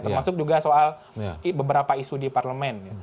termasuk juga soal beberapa isu di parlemen